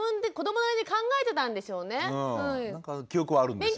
なんか記憶はあるんですよ。